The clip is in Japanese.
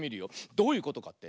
どういうことかって？